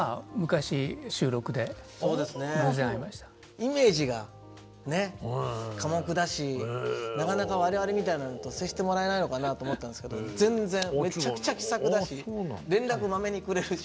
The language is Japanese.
イメージがねっ寡黙だしなかなか我々みたいなのと接してもらえないのかなと思ったんですけど全然めちゃくちゃ気さくだし連絡マメにくれるし。